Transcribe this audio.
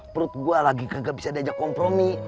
perut gue lagi gagal bisa diajak kompromi